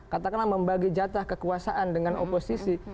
katakanlah membagi jatah kekuasaan dengan oposisi